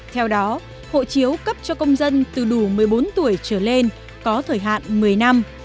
theo đó hộ chiếu cấp cho công dân từ đủ một mươi bốn tuổi trở lên có thời hạn một mươi năm